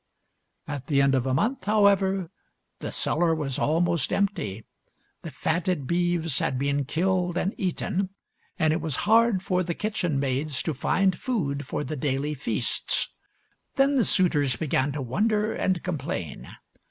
At the end of a month, however, the cellar was almost empty. The fatted beeves had been killed and eaten ; .and it was hard for the kitchen maids to find food for the daily feasts. Then the suitors began to wonder and complain.